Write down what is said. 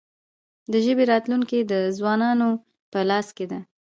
د ژبې راتلونکې د ځوانانو په لاس کې ده.